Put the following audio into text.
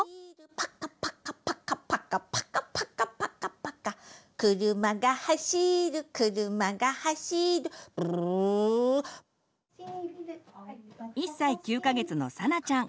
「パカパカパカパカパカパカパカパカ」「くるまがはしるくるまがはしる」「ブルルル」１歳９か月のさなちゃん。